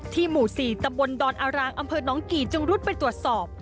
หมู่๔ตำบลดอนอารางอำเภอน้องกี่จึงรุดไปตรวจสอบ